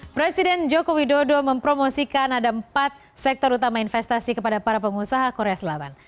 presiden joko widodo mempromosikan ada empat sektor utama investasi kepada para pengusaha korea selatan